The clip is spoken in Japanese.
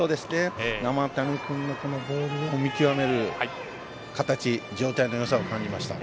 生田目君もボールを見極める形状態のよさを感じました。